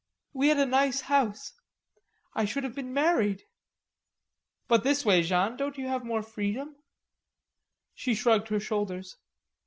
We had a nice house. I should have been married...." "But this way, Jeanne, haven't you more freedom?" She shrugged her shoulders.